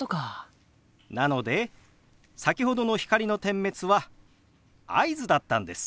なので先ほどの光の点滅は合図だったんです。